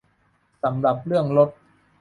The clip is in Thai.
สำหรับเรื่องลด